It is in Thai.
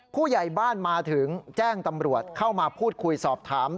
ผู้ใหญ่บ้านมาถึงแจ้งตำรวจเข้ามาพูดคุยสอบถาม